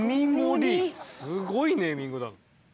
すごいネーミングだ。